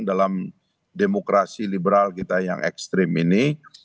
dalam demokrasi liberal kita yang ekstrim ini